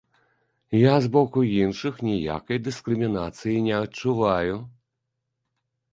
Я з боку іншых ніякай дыскрымінацыі не адчуваю.